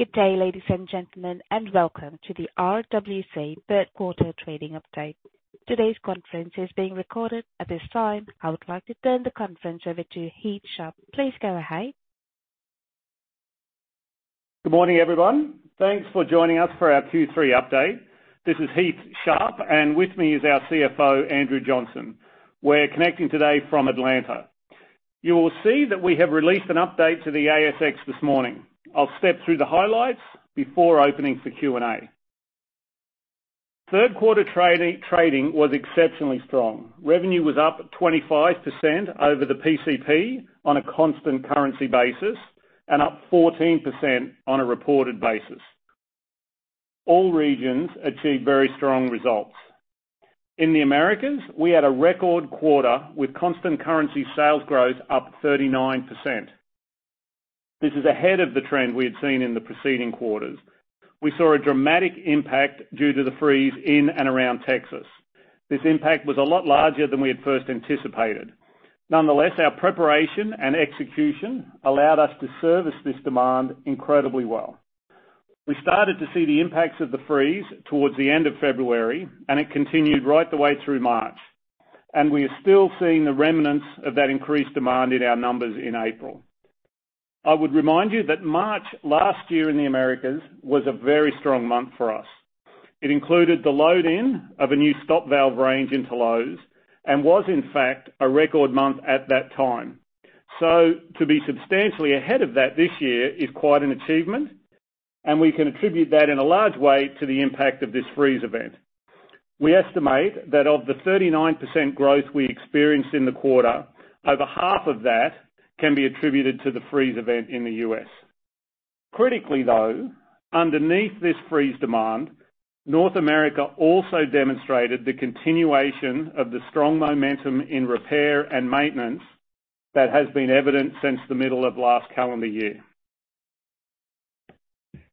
Good day, ladies and gentlemen, and welcome to the RWC third quarter trading update. Today's conference is being recorded. At this time, I would like to turn the conference over to Heath Sharp. Please go ahead. Good morning, everyone. Thanks for joining us for our Q3 update. This is Heath Sharp, and with me is our CFO, Andrew Johnson. We're connecting today from Atlanta. You will see that we have released an update to the ASX this morning. I'll step through the highlights before opening for Q&A. Third quarter trading was exceptionally strong. Revenue was up 25% over the PCP on a constant currency basis and up 14% on a reported basis. All regions achieved very strong results. In the Americas, we had a record quarter with constant currency sales growth up 39%. This is ahead of the trend we had seen in the preceding quarters. We saw a dramatic impact due to the freeze in and around Texas. This impact was a lot larger than we had first anticipated. Nonetheless, our preparation and execution allowed us to service this demand incredibly well. We started to see the impacts of the freeze towards the end of February, and it continued right the way through March, and we are still seeing the remnants of that increased demand in our numbers in April. I would remind you that March last year in the Americas was a very strong month for us. It included the load-in of a new stop valve range into Lowe's and was, in fact, a record month at that time. To be substantially ahead of that this year is quite an achievement, and we can attribute that in a large way to the impact of this freeze event. We estimate that of the 39% growth we experienced in the quarter, over half of that can be attributed to the freeze event in the U.S.. Critically, though, underneath this freeze demand, North America also demonstrated the continuation of the strong momentum in repair and maintenance that has been evident since the middle of last calendar year.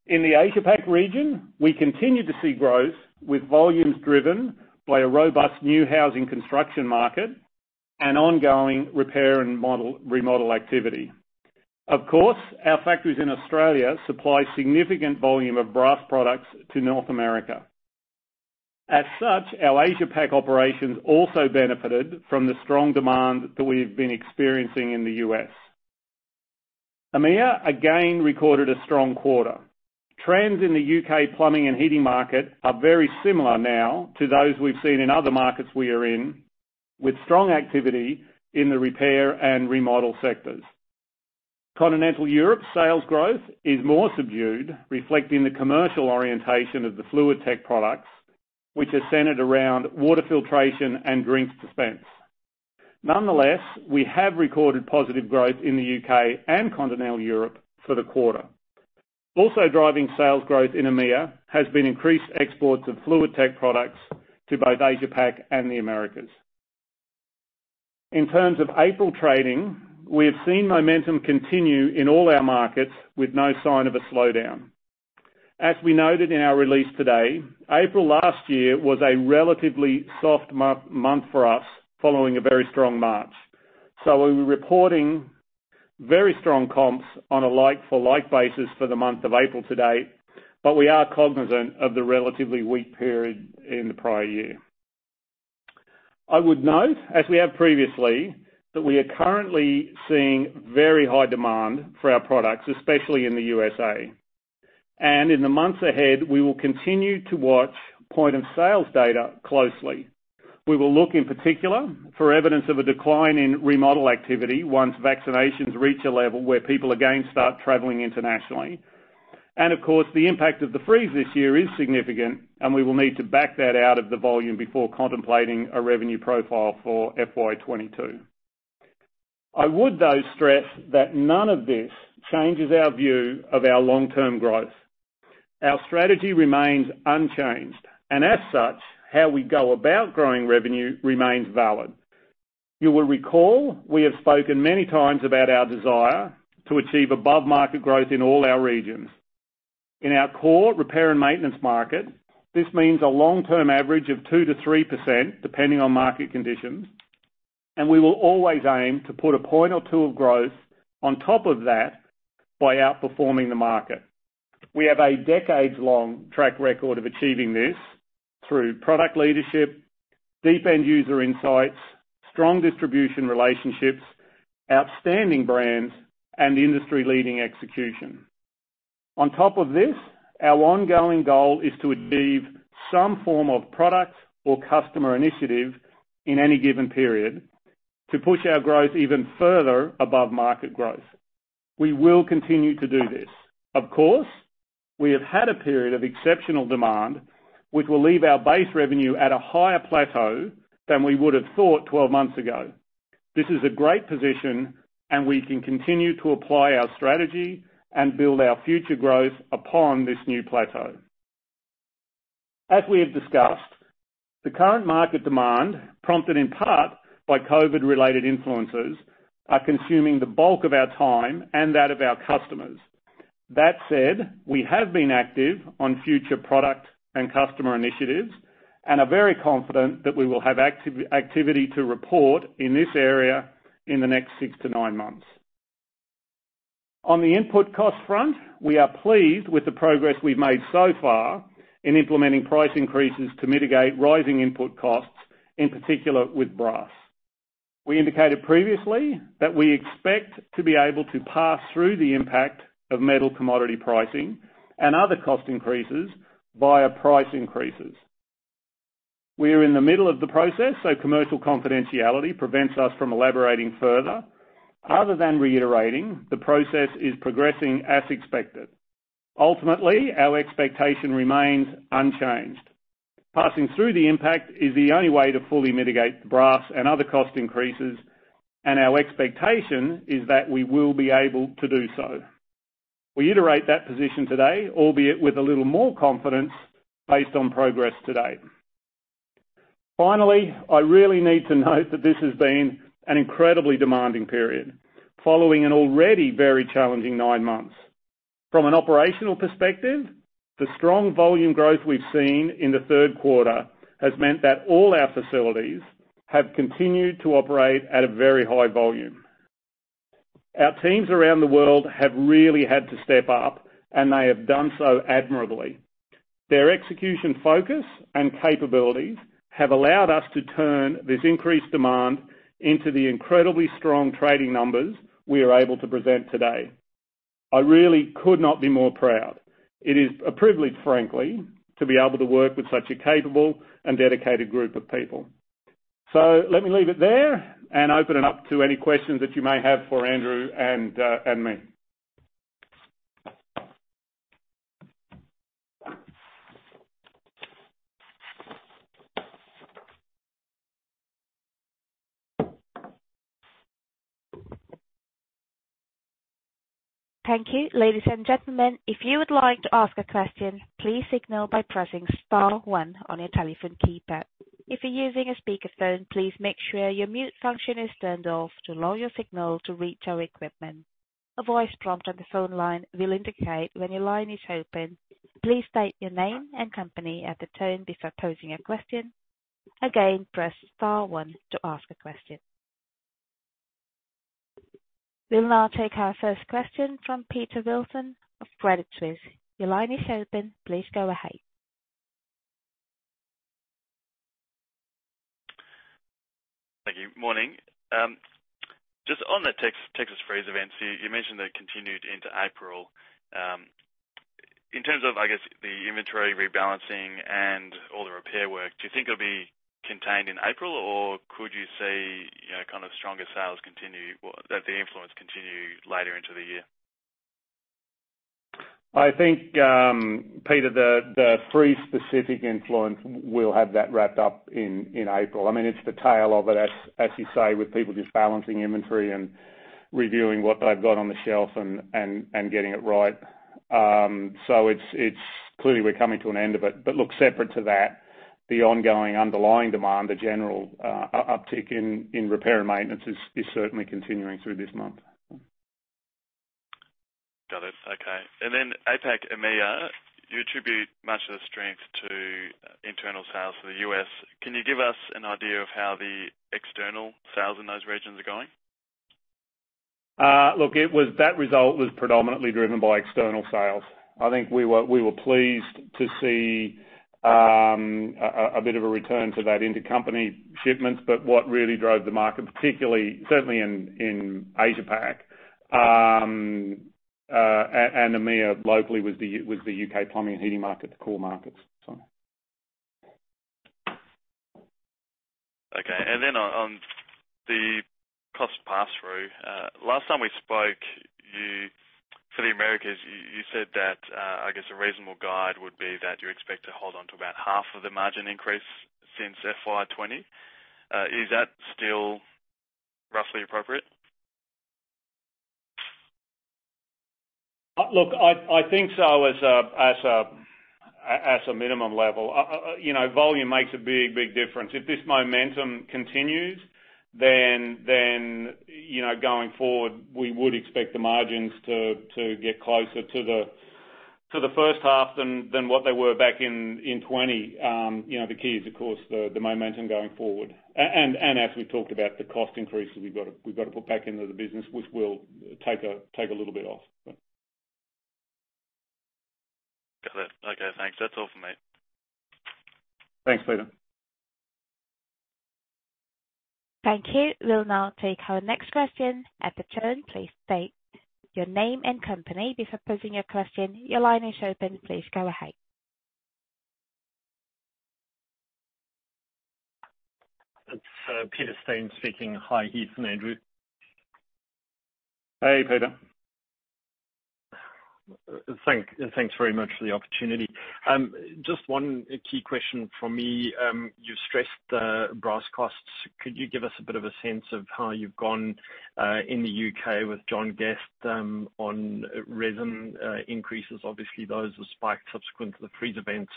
In the Asia Pac region, we continue to see growth with volumes driven by a robust new housing construction market and ongoing repair and remodel activity. Of course, our factories in Australia supply significant volume of brass products to North America. As such, our Asia Pac operations also benefited from the strong demand that we've been experiencing in the U.S. EMEA, again, recorded a strong quarter. Trends in the U.K. plumbing and heating market are very similar now to those we've seen in other markets we are in, with strong activity in the repair and remodel sectors. Continental Europe sales growth is more subdued, reflecting the commercial orientation of the FluidTech products, which are centered around water filtration and drink dispense. Nonetheless, we have recorded positive growth in the U.K. and Continental Europe for the quarter. Also driving sales growth in EMEA has been increased exports of FluidTech products to both Asia Pac and the Americas. In terms of April trading, we have seen momentum continue in all our markets with no sign of a slowdown. As we noted in our release today, April last year was a relatively soft month for us, following a very strong March. We're reporting very strong comps on a like-for-like basis for the month of April to date, but we are cognizant of the relatively weak period in the prior year. I would note, as we have previously, that we are currently seeing very high demand for our products, especially in the U.S.A.. In the months ahead, we will continue to watch point of sales data closely. We will look in particular for evidence of a decline in remodel activity once vaccinations reach a level where people again start traveling internationally. Of course, the impact of the freeze this year is significant, and we will need to back that out of the volume before contemplating a revenue profile for FY 2022. I would, though, stress that none of this changes our view of our long-term growth. Our strategy remains unchanged, and as such, how we go about growing revenue remains valid. You will recall we have spoken many times about our desire to achieve above-market growth in all our regions. In our core repair and maintenance market, this means a long-term average of 2%-3%, depending on market conditions, and we will always aim to put a point or two of growth on top of that by outperforming the market. We have a decades-long track record of achieving this through product leadership, deep end-user insights, strong distribution relationships, outstanding brands, and industry-leading execution. On top of this, our ongoing goal is to achieve some form of product or customer initiative in any given period to push our growth even further above market growth. We will continue to do this. Of course, we have had a period of exceptional demand, which will leave our base revenue at a higher plateau than we would have thought 12 months ago. This is a great position, and we can continue to apply our strategy and build our future growth upon this new plateau. As we have discussed, the current market demand, prompted in part by COVID-related influences, are consuming the bulk of our time and that of our customers. That said, we have been active on future product and customer initiatives. We are very confident that we will have activity to report in this area in the next six to nine months. On the input cost front, we are pleased with the progress we've made so far in implementing price increases to mitigate rising input costs, in particular with brass. We indicated previously that we expect to be able to pass through the impact of metal commodity pricing and other cost increases via price increases. We are in the middle of the process, Commercial confidentiality prevents us from elaborating further, other than reiterating the process is progressing as expected. Ultimately, our expectation remains unchanged. Passing through the impact is the only way to fully mitigate brass and other cost increases, and our expectation is that we will be able to do so. We iterate that position today, albeit with a little more confidence based on progress to date. Finally, I really need to note that this has been an incredibly demanding period, following an already very challenging nine months. From an operational perspective, the strong volume growth we've seen in the third quarter has meant that all our facilities have continued to operate at a very high volume. Our teams around the world have really had to step up, and they have done so admirably. Their execution focus and capabilities have allowed us to turn this increased demand into the incredibly strong trading numbers we are able to present today. I really could not be more proud. It is a privilege, frankly, to be able to work with such a capable and dedicated group of people. Let me leave it there and open it up to any questions that you may have for Andrew and me. Thank you. Ladies and gentlemen, if you would like to ask a question, please signal by pressing star one on your telephone keypad. If you're using a speakerphone, please make sure your mute function is turned off to allow your signal to reach our equipment. A voice prompt on the phone line will indicate when your line is open. Please state your name and company at the tone before posing a question. Again, press star one to ask a question. We'll now take our first question from Peter Wilson of Credit Suisse. Your line is open. Please go ahead. Thank you. Morning. Just on the Texas freeze events, you mentioned they continued into April. In terms of, I guess, the inventory rebalancing and all the repair work, do you think it'll be contained in April, or could you see, you know, kind of stronger sales continue Well, that the influence continue later into the year? I think, Peter, the freeze-specific influence, we'll have that wrapped up in April. I mean, it's the tail of it, as you say, with people just balancing inventory and reviewing what they've got on the shelf and getting it right. It's clearly we're coming to an end of it. Look, separate to that, the ongoing underlying demand, the general uptick in repair and maintenance is certainly continuing through this month. Got it. Okay. APAC, EMEA, you attribute much of the strength to internal sales for the U.S.. Can you give us an idea of how the external sales in those regions are going? Look, that result was predominantly driven by external sales. I think we were pleased to see a bit of a return to that intercompany shipments. What really drove the market, particularly, certainly in Asia Pac and EMEA locally was the U.K. plumbing and heating market, the core markets. Okay. On the cost pass-through, last time we spoke, For the Americas, you said that, I guess a reasonable guide would be that you expect to hold on to about half of the margin increase since FY 2020. Is that still roughly appropriate? Look, I think so as a minimum level. You know, volume makes a big difference. If this momentum continues, then, you know, going forward, we would expect the margins to get closer to the first half than what they were back in '20. You know, the key is of course the momentum going forward. As we've talked about the cost increases we've got to put back into the business, which will take a little bit off. Got it. Okay, thanks. That's all for me. Thanks, Peter. Thank you. We'll now take our next question. At the tone, please state your name and company before posing your question. Your line is open. Please go ahead. It's Peter Steyn speaking. Hi, Heath and Andrew. Hey, Peter. Thanks very much for the opportunity. Just one key question from me. You've stressed the brass costs. Could you give us a bit of a sense of how you've gone in the U.K. with John Guest on resin increases? Obviously, those have spiked subsequent to the freeze event.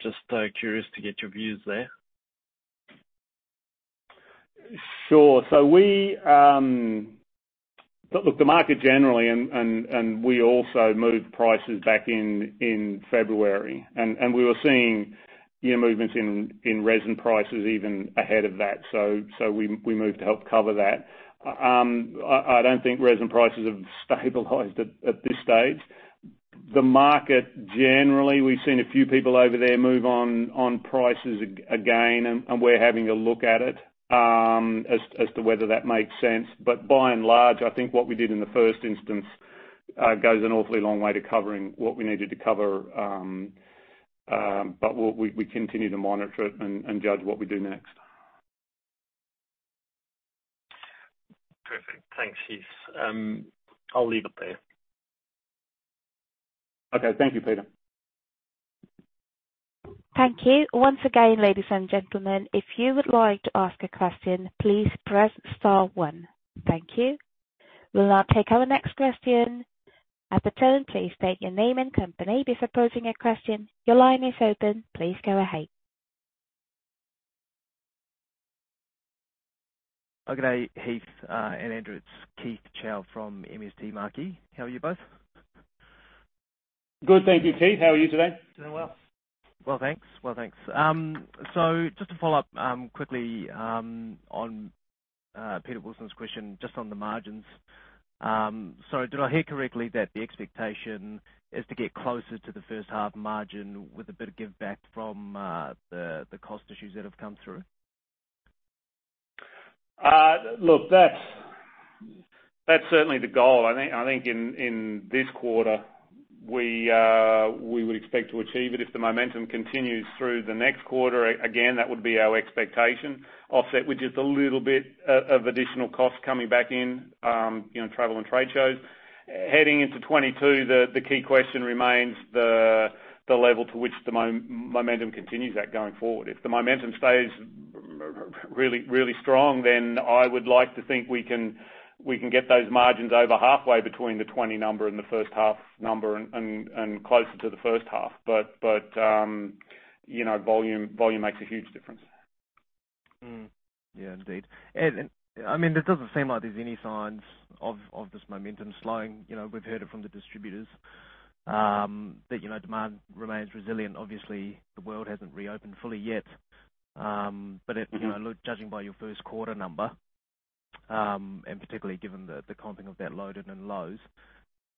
Just curious to get your views there. Sure. Look, the market generally, we also moved prices back in February, we were seeing year movements in resin prices even ahead of that. We moved to help cover that. I don't think resin prices have stabilized at this stage. The market generally, we've seen a few people over there move on prices again, we're having a look at it as to whether that makes sense. By and large, I think what we did in the first instance goes an awfully long way to covering what we needed to cover. We'll continue to monitor it and judge what we do next. Perfect. Thanks, Heath. I'll leave it there. Okay. Thank you, Peter. Thank you. Once again, ladies and gentlemen, if you would like to ask a question, please press star one. Thank you. We'll now take our next question. Good day, Heath and Andrew. It's Keith Chau from MST Marquee. How are you both? Good, thank you, Keith. How are you today? Doing well. Well, thanks. Just to follow up quickly on Peter Wilson's question just on the margins. Sorry, did I hear correctly that the expectation is to get closer to the first half margin with a bit of give back from the cost issues that have come through? That's certainly the goal. I think in this quarter, we would expect to achieve it. If the momentum continues through the next quarter, again, that would be our expectation, offset with just a little bit of additional cost coming back in travel and trade shows. Heading into '22, the key question remains the level to which the momentum continues at going forward. If the momentum stays really strong, then I would like to think we can get those margins over halfway between the '20 number and the first half number and closer to the first half. Volume makes a huge difference. Yeah, indeed. It doesn't seem like there's any signs of this momentum slowing. We've heard it from the distributors that demand remains resilient. Obviously, the world hasn't reopened fully yet. Judging by your first quarter number, and particularly given the comping of that loaded in Lowe's,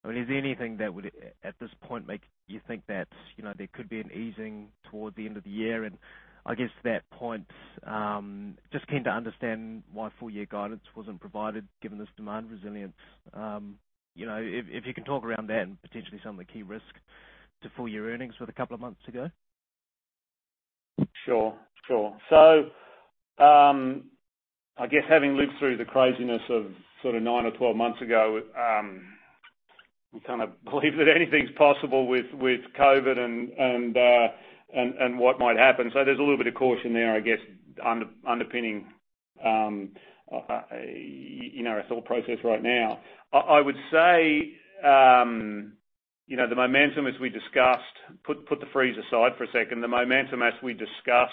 is there anything that would, at this point, make you think that there could be an easing towards the end of the year? I guess to that point, just keen to understand why full year guidance wasn't provided, given this demand resilience. If you can talk around that and potentially some of the key risks to full year earnings with a couple of months ago. Sure. I guess having lived through the craziness of sort of nine or 12 months ago, you kind of believe that anything's possible with COVID and what might happen. There's a little bit of caution there, I guess, underpinning in our thought process right now. I would say, put the freeze aside for a second, the momentum as we discussed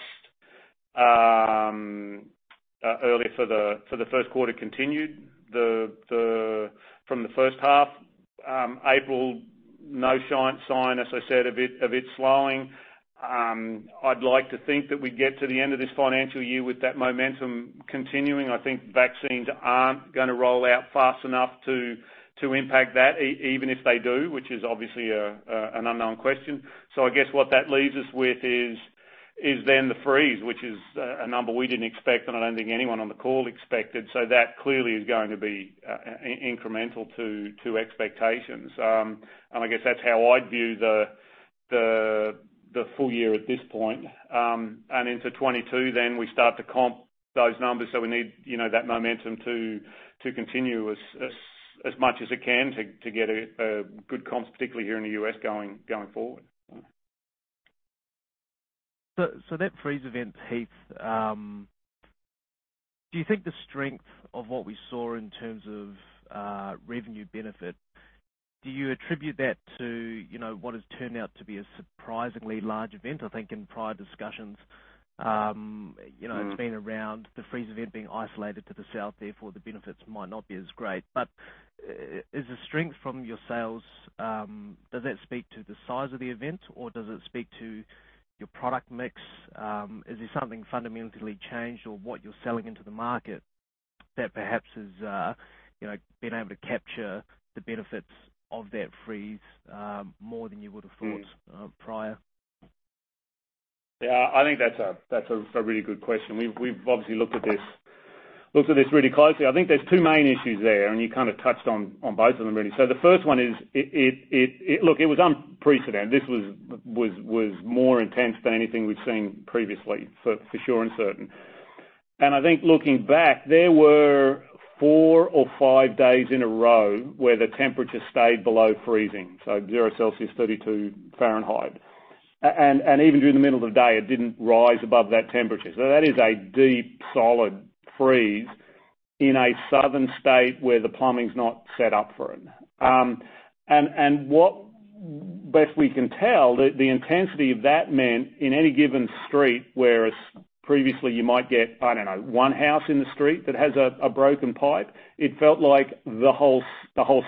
earlier for the first quarter continued from the first half. April, no sign, as I said, of it slowing. I'd like to think that we'd get to the end of this financial year with that momentum continuing. I think vaccines aren't going to roll out fast enough to impact that. Even if they do, which is obviously an unknown question. I guess what that leaves us with is then the freeze, which is a number we didn't expect and I don't think anyone on the call expected. That clearly is going to be incremental to expectations. I guess that's how I'd view the full year at this point. Into 2022, we start to comp those numbers, we need that momentum to continue as much as it can to get a good comp, particularly here in the U.S. going forward. That freeze event, Heath, do you think the strength of what we saw in terms of revenue benefit, do you attribute that to what has turned out to be a surprisingly large event? I think in prior discussions, it's been around the freeze event being isolated to the south, therefore, the benefits might not be as great. Is the strength from your sales, does that speak to the size of the event or does it speak to your product mix? Is there something fundamentally changed or what you're selling into the market that perhaps has been able to capture the benefits of that freeze more than you would have thought prior? Yeah, I think that's a really good question. We've obviously looked at this really closely. I think there's two main issues there, and you kind of touched on both of them, really. The first one is, look, it was unprecedented. This was more intense than anything we've seen previously, for sure and certain. I think looking back, there were four or five days in a row where the temperature stayed below freezing, so zero degrees Celsius, 32 degrees Fahrenheit. Even during the middle of the day, it didn't rise above that temperature. That is a deep, solid freeze. In a southern state where the plumbing's not set up for it. What best we can tell, the intensity of that meant in any given street, whereas previously you might get one house in the street that has a broken pipe, it felt like the whole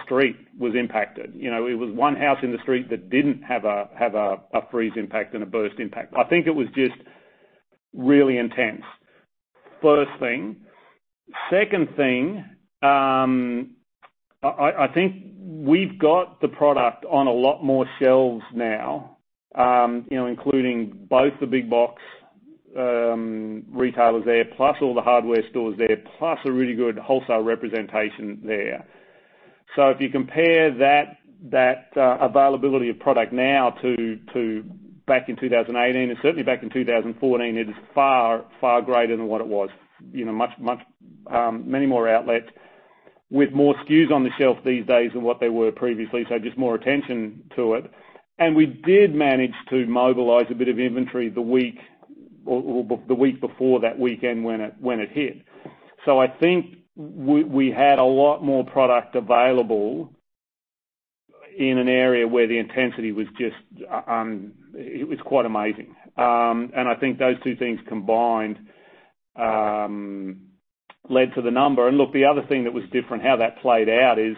street was impacted. It was one house in the street that didn't have a freeze impact and a burst impact. I think it was just really intense, first thing. Second thing, I think we've got the product on a lot more shelves now, including both the big box retailers there, plus all the hardware stores there, plus a really good wholesale representation there. If you compare that availability of product now to back in 2018, and certainly back in 2014, it is far greater than what it was. Many more outlets with more SKUs on the shelf these days than what they were previously, just more attention to it. We did manage to mobilize a bit of inventory the week before that weekend when it hit. I think we had a lot more product available in an area where the intensity was quite amazing. I think those two things combined led to the number. Look, the other thing that was different, how that played out is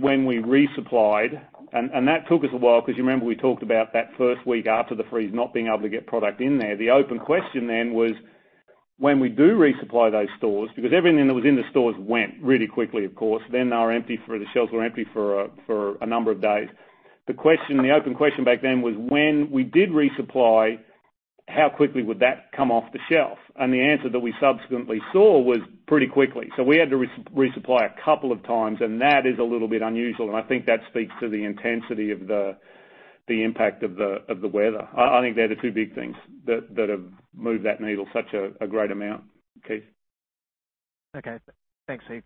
when we resupplied, and that took us a while because you remember we talked about that first week after the freeze, not being able to get product in there. The open question then was, when we do resupply those stores, because everything that was in the stores went really quickly, of course. The shelves were empty for a number of days. The open question back then was, when we did resupply, how quickly would that come off the shelf? The answer that we subsequently saw was pretty quickly. We had to resupply a couple of times, and that is a little bit unusual, and I think that speaks to the intensity of the impact of the weather. I think they're the two big things that have moved that needle such a great amount. Keith? Okay. Thanks, Heath.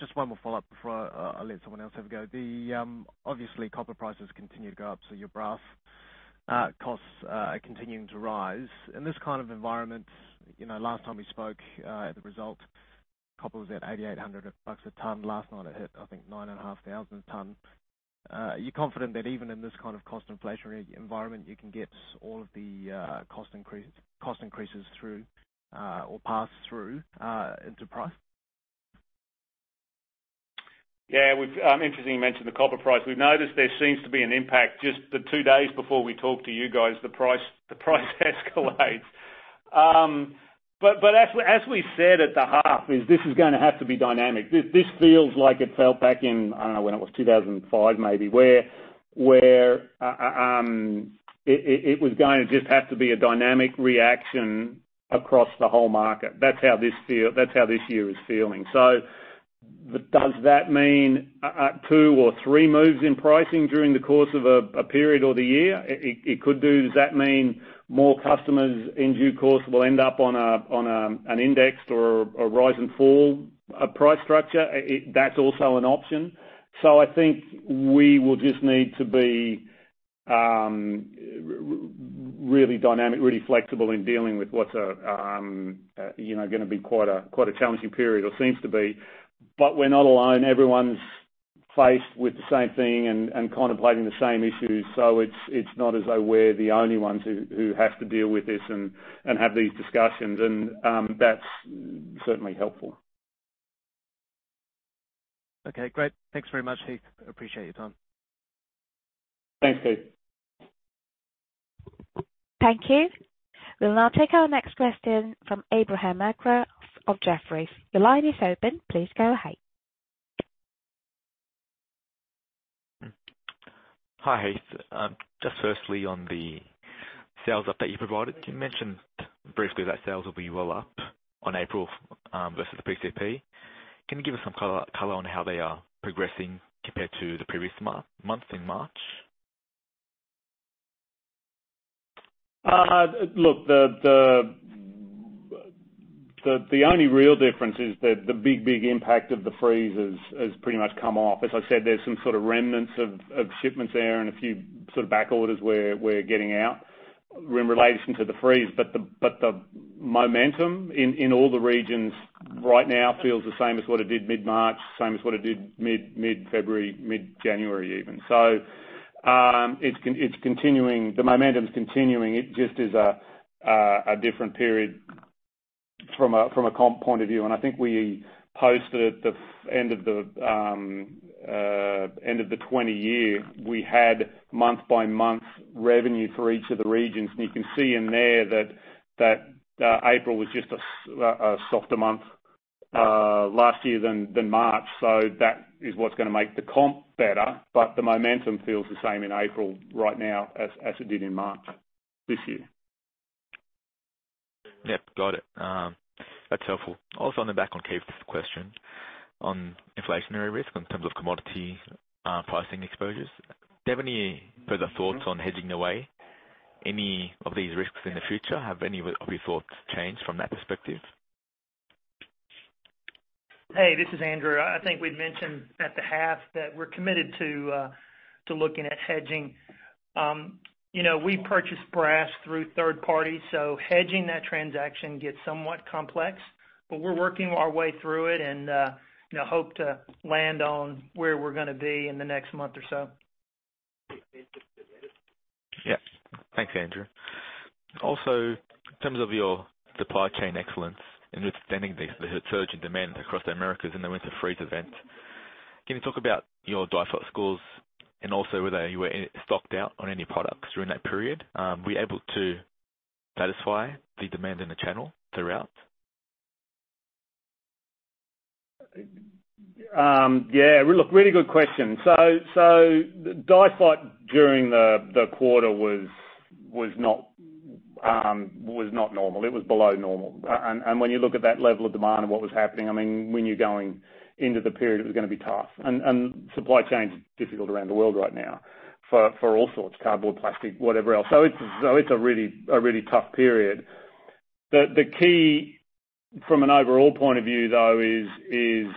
Just one more follow-up before I let someone else have a go. Obviously, copper prices continue to go up, so your brass costs are continuing to rise. In this kind of environment, last time we spoke, at the results, copper was at $8,800 a ton. Last night it hit, I think, $9,500 a ton. Are you confident that even in this kind of cost inflationary environment, you can get all of the cost increases through or pass through into price? Yeah. Interesting you mentioned the copper price. We've noticed there seems to be an impact. Just the two days before we talk to you guys, the price escalates. As we said at the half, this is going to have to be dynamic. This feels like it felt back in, I don't know when it was, 2005 maybe, where it was going to just have to be a dynamic reaction across the whole market. That's how this year is feeling. Does that mean two or three moves in pricing during the course of a period or the year? It could do. Does that mean more customers in due course will end up on an indexed or a rise and fall price structure? That's also an option. I think we will just need to be really dynamic, really flexible in dealing with what's going to be quite a challenging period, or seems to be. We're not alone. Everyone's faced with the same thing and contemplating the same issues. It's not as though we're the only ones who have to deal with this and have these discussions, and that's certainly helpful. Okay, great. Thanks very much, Heath. Appreciate your time. Thanks, Keith. Thank you. We'll now take our next question from Abraham Akra of Jefferies. Your line is open. Please go ahead. Hi, Heath. Firstly on the sales update you provided, you mentioned briefly that sales will be well up on April versus the PCP. Can you give us some color on how they are progressing compared to the previous month in March? Look, the only real difference is that the big impact of the freeze has pretty much come off. As I said, there's some sort of remnants of shipments there and a few back orders we're getting out in relation to the freeze. The momentum in all the regions right now feels the same as what it did mid-March, same as what it did mid-February, mid-January even. The momentum's continuing. It just is a different period from a comp point of view. I think we posted at the end of the FY20, we had month-by-month revenue for each of the regions. You can see in there that April was just a softer month last year than March. That is what's going to make the comp better. The momentum feels the same in April right now as it did in March this year. Yep. Got it. That's helpful. On the back on Keith's question on inflationary risk in terms of commodity pricing exposures, do you have any further thoughts on hedging the way any of these risks in the future? Have any of your thoughts changed from that perspective? Hey, this is Andrew. I think we'd mentioned at the half that we're committed to looking at hedging. We purchase brass through third party, so hedging that transaction gets somewhat complex. We're working our way through it and hope to land on where we're going to be in the next month or so. Yeah. Thanks, Andrew. In terms of your supply chain excellence and withstanding the surge in demand across the Americas in the winter freeze event, can you talk about your DIFOT scores and also whether you were stocked out on any products during that period? Were you able to satisfy the demand in the channel throughout? Yeah. Look, really good question. The DIFOT during the quarter was not normal. It was below normal. When you look at that level of demand and what was happening, when you're going into the period, it was going to be tough. Supply chain is difficult around the world right now for all sorts, cardboard, plastic, whatever else. It's a really tough period. The key from an overall point of view, though, is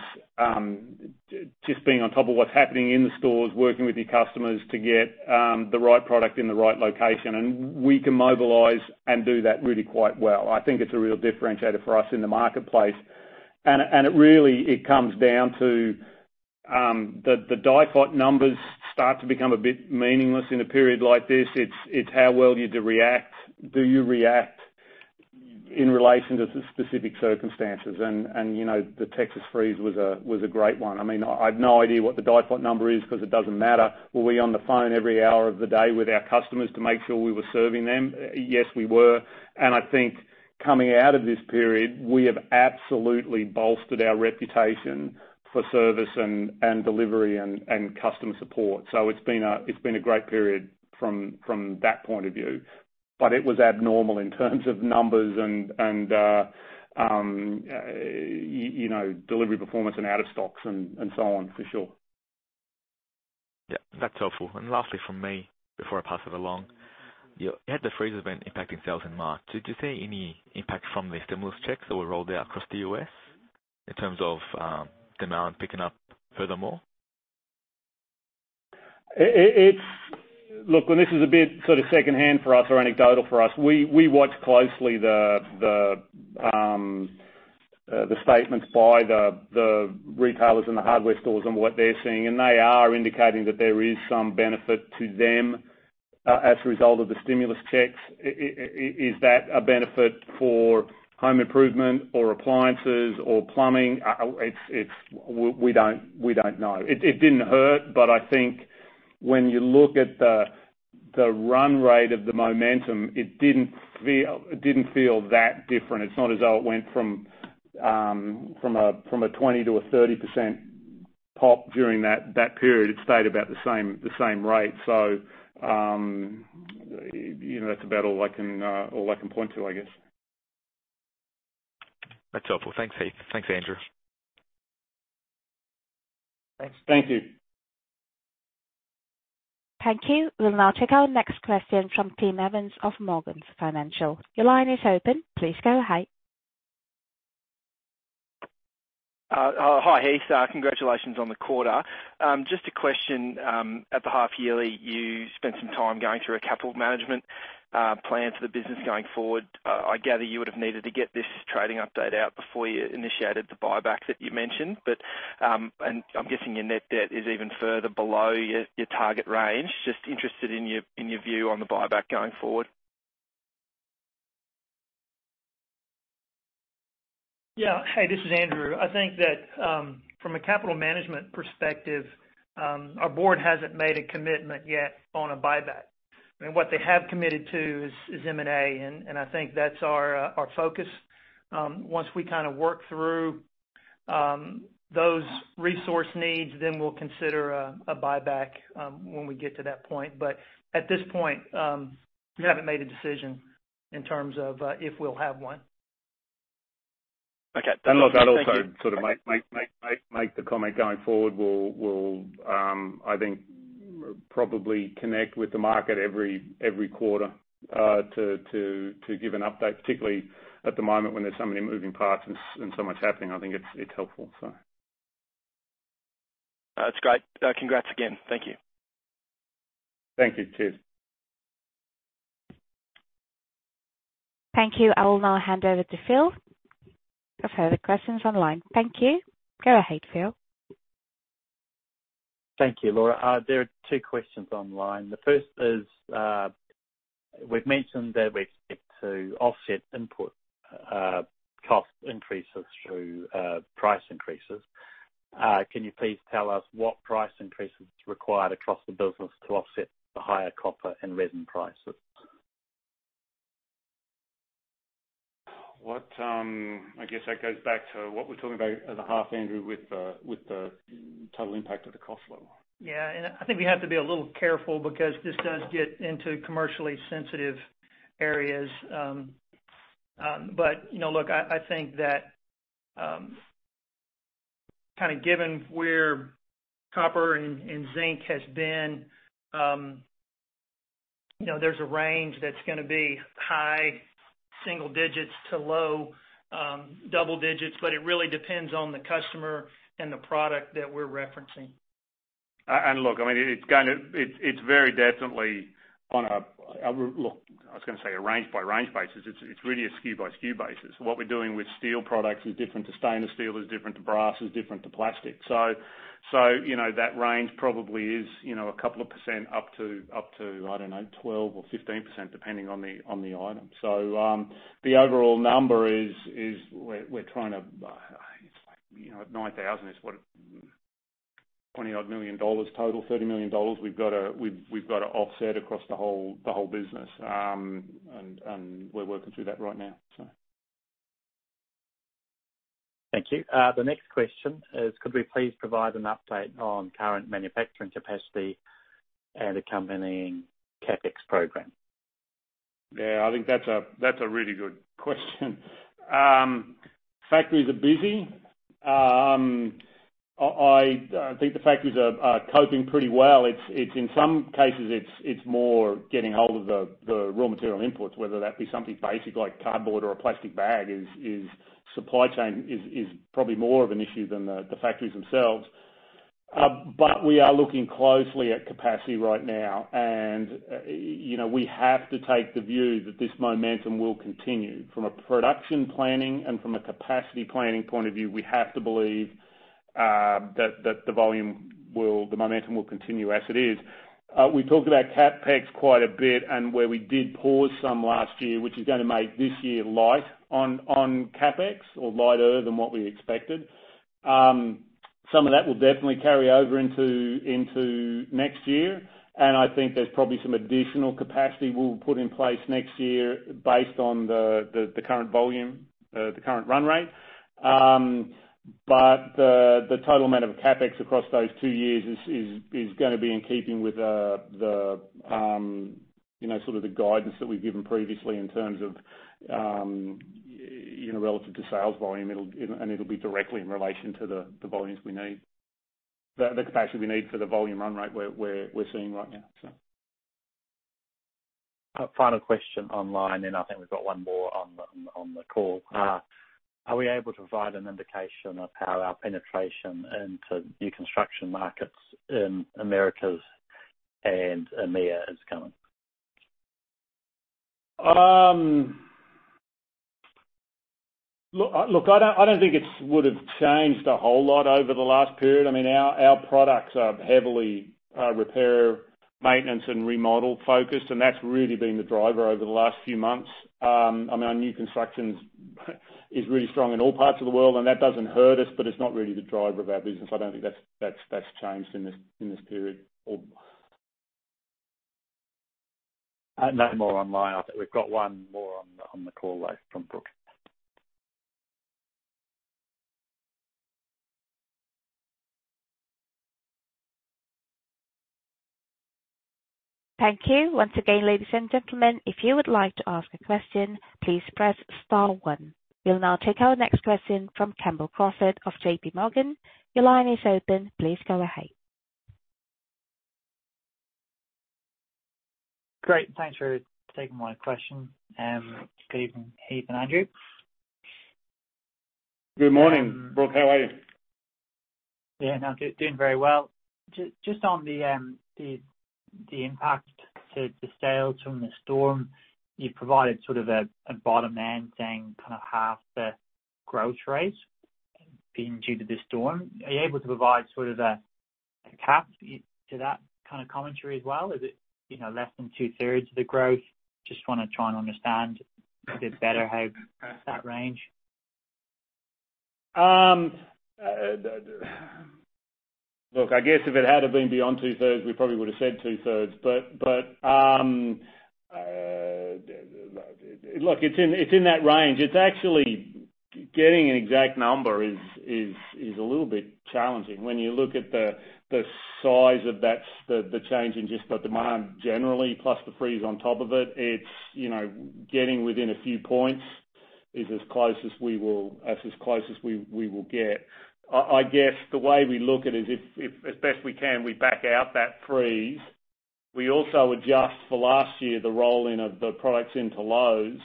just being on top of what's happening in the stores, working with your customers to get the right product in the right location, and we can mobilize and do that really quite well. I think it's a real differentiator for us in the marketplace. It really comes down to the DIFOT numbers start to become a bit meaningless in a period like this. It's how well do you react in relation to the specific circumstances. The Texas freeze was a great one. I have no idea what the DIFOT number is because it doesn't matter. Were we on the phone every hour of the day with our customers to make sure we were serving them? Yes, we were. I think coming out of this period, we have absolutely bolstered our reputation for service and delivery and customer support. It's been a great period from that point of view. It was abnormal in terms of numbers and delivery performance and out of stocks and so on, for sure. Yeah, that's helpful. Lastly from me before I pass it along, you had the freeze event impacting sales in March. Did you see any impact from the stimulus checks that were rolled out across the U.S. in terms of demand picking up furthermore? Look, this is a bit secondhand for us or anecdotal for us. We watch closely the statements by the retailers and the hardware stores on what they're seeing, and they are indicating that there is some benefit to them as a result of the stimulus checks. Is that a benefit for home improvement or appliances or plumbing? We don't know. It didn't hurt, but I think when you look at the run rate of the momentum, it didn't feel that different. It's not as though it went from a 20%-30% pop during that period. It stayed about the same rate. That's about all I can point to, I guess. That's helpful. Thanks, Heath. Thanks, Andrew. Thanks. Thank you. Thank you. We will now take our next question from Tim Evans of Morgans Financial. Your line is open. Please go ahead. Hi, Heath. Congratulations on the quarter. Just a question. At the half yearly, you spent some time going through a capital management plan for the business going forward. I gather you would have needed to get this trading update out before you initiated the buyback that you mentioned. And I'm guessing your net debt is even further below your target range. Just interested in your view on the buyback going forward. Yeah. Hey, this is Andrew. I think that from a capital management perspective, our board hasn't made a commitment yet on a buyback. What they have committed to is M&A, and I think that's our focus. Once we work through those resource needs, then we'll consider a buyback when we get to that point. At this point, we haven't made a decision in terms of if we'll have one. Okay. Thank you. Look, I'd also make the comment going forward, we'll, I think, probably connect with the market every quarter to give an update, particularly at the moment when there's so many moving parts and so much happening. I think it's helpful. That's great. Congrats again. Thank you. Thank you, Tim. Thank you. I will now hand over to Phil for further questions on the line. Thank you. Go ahead, Phil. Thank you, Laura. There are two questions on the line. The first is, we've mentioned that we expect to offset input cost increases through price increases. Can you please tell us what price increases are required across the business to offset the higher copper and resin prices? I guess that goes back to what we're talking about at the half, Andrew, with the total impact of the cost level. I think we have to be a little careful because this does get into commercially sensitive areas. Look, I think that given where copper and zinc has been, there's a range that's going to be high single digits to low double digits, but it really depends on the customer and the product that we're referencing. Look, it's very definitely on a range-by-range basis. It's really a SKU-by-SKU basis. What we're doing with steel products is different to stainless steel, is different to brass, is different to plastic. That range probably is a couple of percent up to, I don't know, 12% or 15%, depending on the item. The overall number is it's like 9,000 is what? 20 odd million total, 30 million dollars. We've got to offset across the whole business. We're working through that right now. Thank you. The next question is, could we please provide an update on current manufacturing capacity and accompanying CapEx program? Yeah, I think that's a really good question. Factories are busy. I think the factories are coping pretty well. In some cases, it's more getting hold of the raw material inputs, whether that be something basic like cardboard or a plastic bag, supply chain is probably more of an issue than the factories themselves. We are looking closely at capacity right now, and we have to take the view that this momentum will continue. From a production planning and from a capacity planning point of view, we have to believe that the momentum will continue as it is. We talked about CapEx quite a bit and where we did pause some last year, which is gonna make this year light on CapEx or lighter than what we expected. Some of that will definitely carry over into next year. I think there's probably some additional capacity we'll put in place next year based on the current volume, the current run rate. The total amount of CapEx across those two years is going to be in keeping with the sort of the guidance that we've given previously in terms of relative to sales volume. It'll be directly in relation to the volumes we need. The capacity we need for the volume run rate we're seeing right now. Final question online, then I think we've got one more on the call. Are we able to provide an indication of how our penetration into new construction markets in Americas and EMEA is going? Look, I don't think it would've changed a whole lot over the last period. Our products are heavily repair, maintenance, and remodel-focused, and that's really been the driver over the last few months. Our new construction is really strong in all parts of the world, and that doesn't hurt us, but it's not really the driver of our business. I don't think that's changed in this period or. No more online. I think we've got one more on the call, though, from Brooke. Thank you. Once again, ladies and gentlemen, if you would like to ask a question, please press star one. We'll now take our next question from Campbell Crawford of J.P. Morgan. Your line is open. Please go ahead. Great. Thanks for taking my question, Stephen, Heath, and Andrew. Good morning, Brooke. How are you? Yeah, no. Doing very well. Just on the impact to the sales from the storm, you provided sort of a bottom end saying kind of half the growth rates being due to the storm. Are you able to provide sort of a cap to that kind of commentary as well? Is it less than 2/3 of the growth? Just wanna try and understand a bit better how that range. Look, I guess if it had been beyond 2/3, we probably would've said 2/3. Look, it's in that range. It's actually getting an exact number is a little bit challenging. When you look at the size of the change in just the demand generally, plus the freeze on top of it, getting within a few points is as close as we will get. I guess the way we look at it is if, as best we can, we back out that freeze. We also adjust for last year the rolling of the products into Lowe's.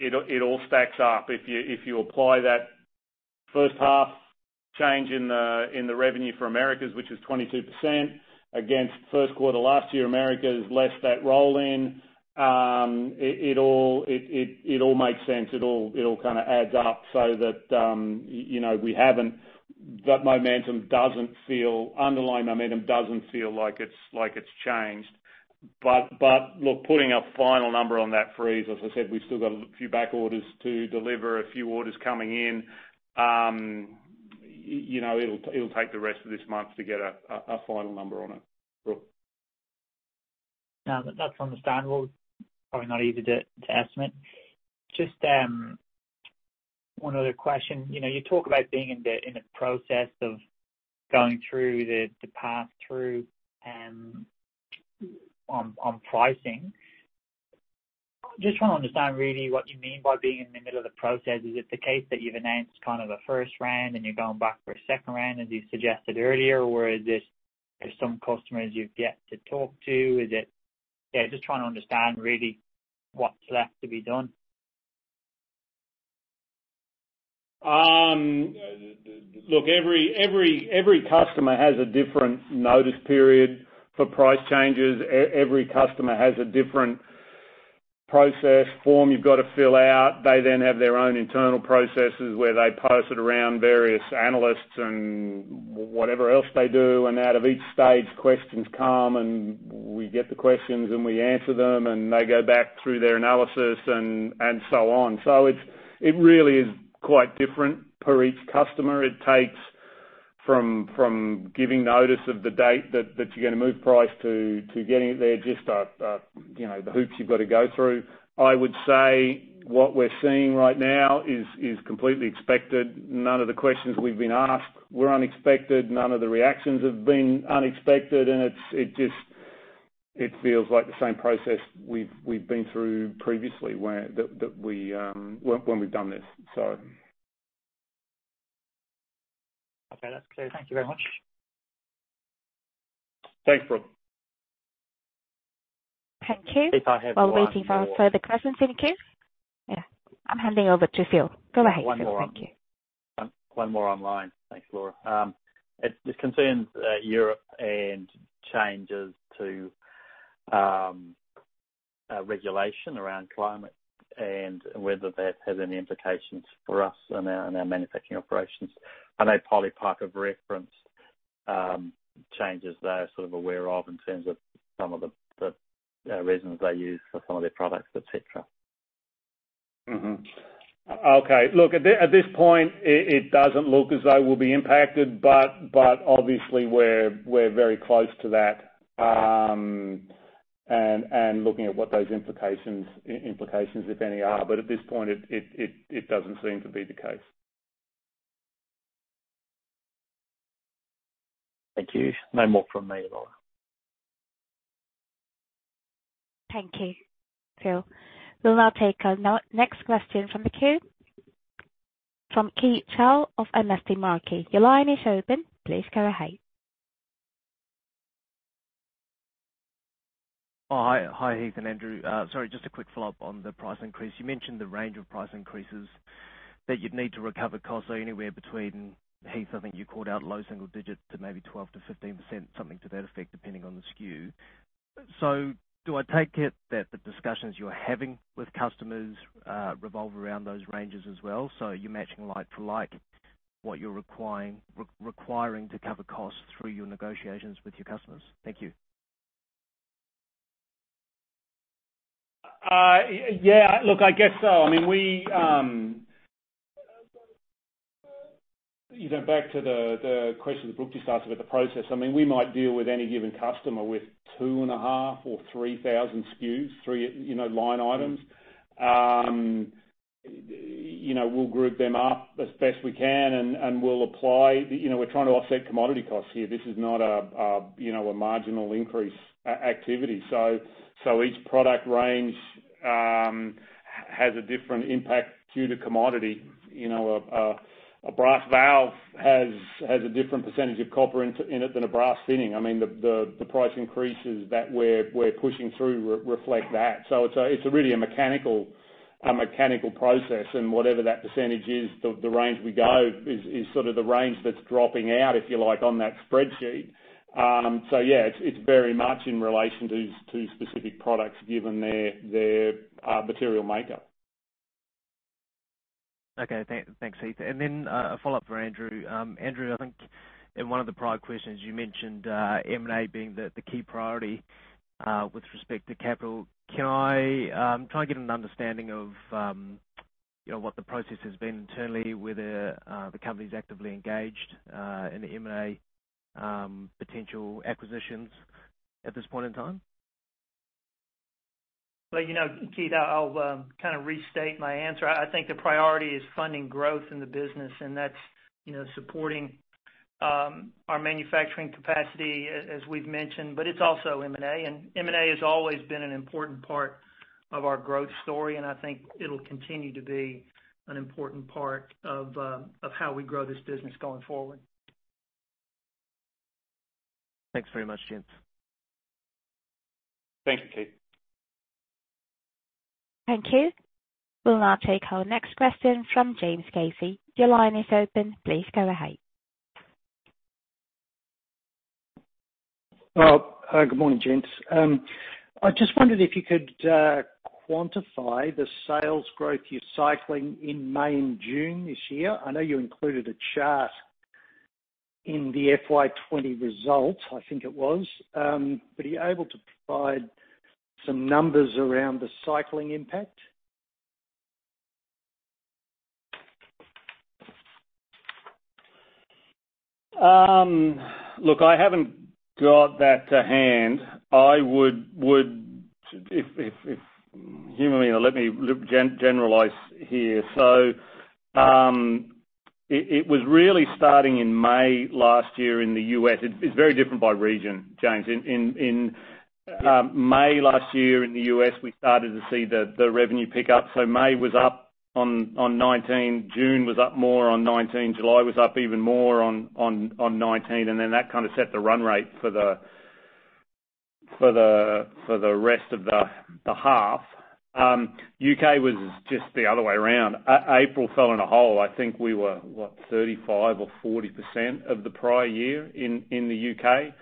It all stacks up. If you apply that first half change in the revenue for Americas, which is 22%, against first quarter last year, Americas less that roll-in. It all makes sense. It all kind of adds up so that underlying momentum doesn't feel like it's changed. Look, putting a final number on that freeze, as I said, we've still got a few back orders to deliver, a few orders coming in. It'll take the rest of this month to get a final number on it, Brooke. No, that's understandable. Probably not easy to estimate. Just one other question. You talk about being in the process of going through the pass-through on pricing. Just want to understand really what you mean by being in the middle of the process. Is it the case that you've announced kind of a first round and you're going back for a second round, as you suggested earlier? Is this there's some customers you've yet to talk to? Yeah, just trying to understand really what's left to be done. Look, every customer has a different notice period for price changes. Every customer has a different process, form you've got to fill out. They have their own internal processes where they pass it around various analysts and whatever else they do. Out of each stage, questions come, and we get the questions and we answer them, and they go back through their analysis and so on. It really is quite different per each customer. It takes from giving notice of the date that you're going to move price to getting it there, just the hoops you've got to go through. I would say what we're seeing right now is completely expected. None of the questions we've been asked were unexpected. None of the reactions have been unexpected, and it feels like the same process we've been through previously when we've done this. Okay. That's clear. Thank you very much. Thanks, Brooke. Thank you. If I have one more- While waiting for further questions in the queue. Yeah. I'm handing over to Phil. Go ahead, Phil. Thank you. One more online. Thanks, Laura. It concerns Europe and changes to regulation around climate and whether that has any implications for us and our manufacturing operations. I know Polypipe have referenced changes they're sort of aware of in terms of some of the resins they use for some of their products, et cetera. Okay. Look, at this point, it doesn't look as though we'll be impacted, but obviously we're very close to that and looking at what those implications, if any, are. At this point, it doesn't seem to be the case. Thank you. No more from me, Laura. Thank you, Phil. We'll now take our next question from the queue, from Keith Chau of MST Marquee. Your line is open. Please go ahead. Hi, Heath and Andrew. Sorry, just a quick follow-up on the price increase. You mentioned the range of price increases that you'd need to recover costs are anywhere between, Heath, I think you called out low single digits to maybe 12%-15%, something to that effect, depending on the SKU. Do I take it that the discussions you're having with customers revolve around those ranges as well? You're matching like for like what you're requiring to cover costs through your negotiations with your customers? Thank you. Yeah. Look, I guess so. Back to the question that Brookie started with the process. We might deal with any given customer with 2,500 or 3,000 SKUs, three line items. We'll group them up as best we can and we're trying to offset commodity costs here. This is not a marginal increase activity. Each product range has a different impact due to commodity. A brass valve has a different % of copper in it than a brass fitting. The price increases that we're pushing through reflect that. It's really a mechanical process and whatever that % is, the range we go is sort of the range that's dropping out, if you like, on that spreadsheet. Yeah, it's very much in relation to specific products given their material makeup. Okay. Thanks, Heath. Then a follow-up for Andrew. Andrew, I think in one of the prior questions, you mentioned M&A being the key priority with respect to capital. I'm trying to get an understanding of what the process has been internally, whether the company's actively engaged in M&A potential acquisitions at this point in time. Keith, I'll kind of restate my answer. I think the priority is funding growth in the business, and that's supporting our manufacturing capacity, as we've mentioned, but it's also M&A. M&A has always been an important part of our growth story, and I think it'll continue to be an important part of how we grow this business going forward. Thanks very much, gents. Thank you, Keith. Thank you. We'll now take our next question from James Casey. Your line is open. Please go ahead. Good morning, gents. I just wondered if you could quantify the sales growth you're cycling in May and June this year. I know you included a chart in the FY 2020 results, I think it was. Are you able to provide some numbers around the cycling impact? Look, I haven't got that to hand. Humor me and let me generalize here. It was really starting in May last year in the U.S.. It's very different by region, James. In May last year in the U.S., we started to see the revenue pick up. May was up on 2019, June was up more on 2019, July was up even more on 2019, and then that kind of set the run rate for the rest of the half. U.K. was just the other way around. April fell in a hole. I think we were, what? 35% or 40% of the prior year in the U.K.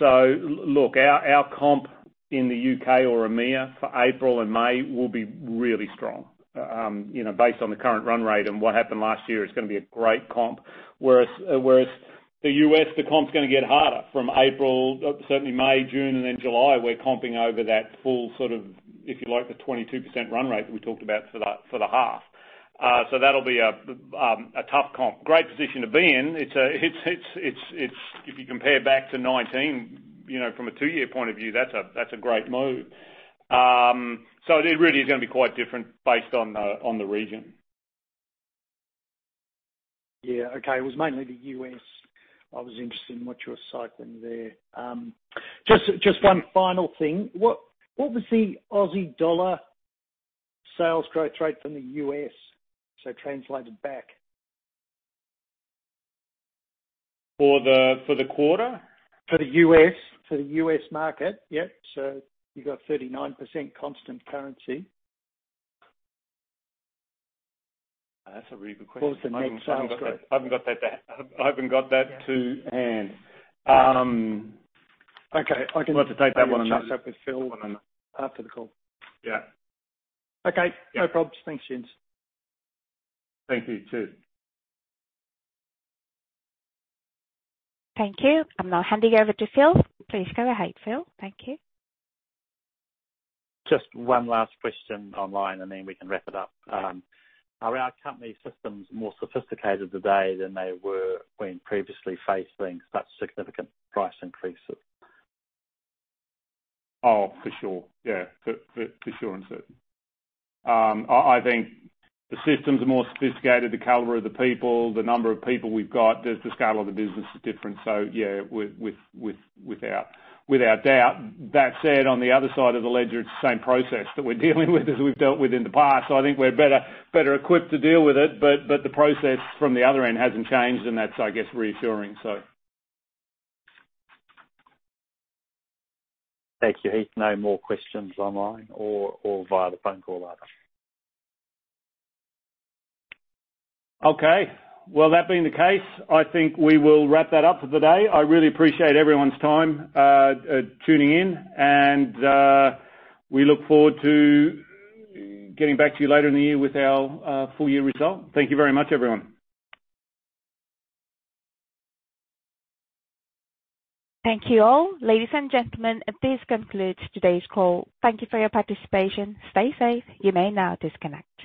Look, our comp in the U.K. or EMEA for April and May will be really strong. Based on the current run rate and what happened last year, it's going to be a great comp. The U.S., the comp's going to get harder from April, certainly May, June, and then July, we're comping over that full, if you like, the 22% run rate that we talked about for the half. That'll be a tough comp. Great position to be in. If you compare back to 2019, from a two-year point of view, that's a great move. It really is going to be quite different based on the region. Yeah. Okay. It was mainly the U.S.. I was interested in what you were citing there. Just one final thing. What was the AUD sales growth rate from the U.S. so translated back? For the quarter? For the U.S. market. Yep. You got 39% constant currency. That's a really good question. What was the net sales growth? I haven't got that to hand. Okay. We'll have to take that one. maybe chase it up with Phil after the call. Yeah. Okay. No probs. Thanks, James. Thank you too. Thank you. I'm now handing over to Phil. Please go ahead, Phil. Thank you. Just one last question online, and then we can wrap it up. Are our company systems more sophisticated today than they were when previously facing such significant price increases? For sure. For sure and certain. I think the systems are more sophisticated, the caliber of the people, the number of people we've got, just the scale of the business is different. Without doubt. That said, on the other side of the ledger, it's the same process that we're dealing with as we've dealt with in the past. I think we're better equipped to deal with it. The process from the other end hasn't changed, and that's, I guess, reassuring. Thank you, Heath. No more questions online or via the phone call line. Okay. Well, that being the case, I think we will wrap that up for the day. I really appreciate everyone's time tuning in. We look forward to getting back to you later in the year with our full-year result. Thank you very much, everyone. Thank you all. Ladies and gentlemen, this concludes today's call. Thank you for your participation. Stay safe. You may now disconnect.